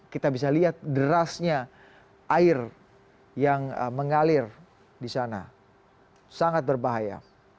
kita bisa lihat derasnya air yang mengalir di sana sangat berbahaya